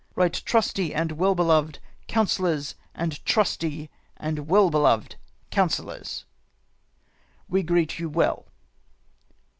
Eight trusty and well beloved councillors, and trusty and well beloved councillors !" We greet you Well.